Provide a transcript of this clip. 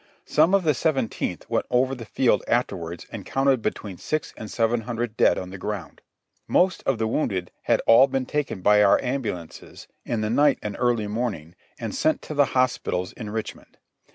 Some of the Seventeenth went over the field afterwards and counted between six and seven hun dred dead on the ground. Most of the wounded had all been taken by our ambulances, in the night and early morning, and sent to the hospitals in Richmond.